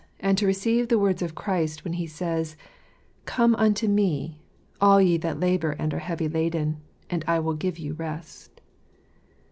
and to receive the words of Christ, when He says, " Come unto Me, all ye that labour and are heavy laden, and I will give you rest."